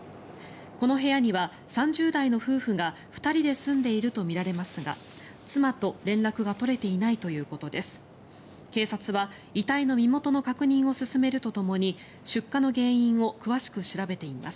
この部屋には３０代の夫婦が２人で住んでいるとみられますが妻と連絡が取れていないということです。